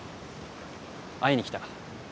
会いに来た。